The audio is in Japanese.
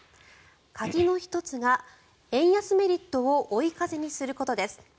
鍵の１つが円安メリットを追い風にすることです。